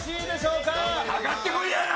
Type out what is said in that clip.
かかってこいや。